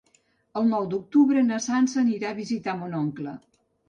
El nou d'octubre na Sança anirà a visitar mon oncle.